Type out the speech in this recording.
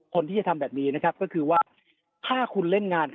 คนที่จะทำแบบนี้นะครับก็คือว่าถ้าคุณเล่นงาน